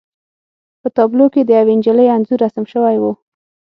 په تابلو کې د یوې نجلۍ انځور رسم شوی و